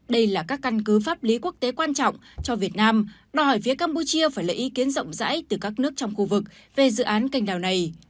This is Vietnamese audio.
đây là các căn cứ pháp lý quốc tế quan trọng cho việt nam đòi hỏi phía campuchia phải lấy ý kiến rộng rãi từ các nước trong khu vực về dự án cành đào này